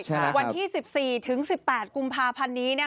วันที่๑๔ถึง๑๘กุมภาพันธ์นี้